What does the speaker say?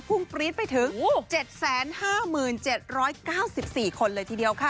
พรุ่งปรี๊ดไปถึงเจ็ดแสนห้าหมื่นเจ็ดร้อยเก้าสิบสี่คนเลยทีเดียวค่ะ